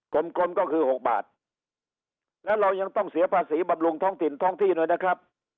กลมกลก็คือ๖บาทแล้วเรายังต้องเสียภาษีบำรุงท้องถิ่นท้องที่เลยนะครับ